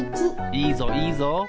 いいぞいいぞ！